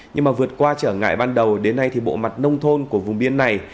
nhưng mà vượt qua trở ngại ban đầu đến nay thì bộ mặt nông thôn của vùng biên này